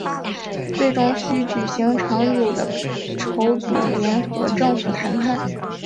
最终需要举行长久的筹组联合政府谈判。